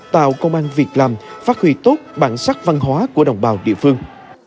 tạo công an việc làm phát huy tốt bản sắc văn hóa của đồng bào địa phương